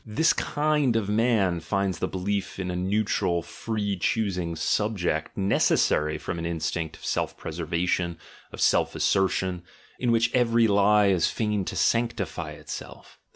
This kind of man finds the belief in a neutral, free choosing "subject" necessary from an instinct of self preservation, of self assertion, in which every lie is fain to sanctify itself.